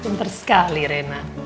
pinter sekali rena